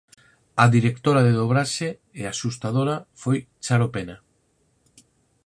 A directora de dobraxe e axustadora foi Charo Pena.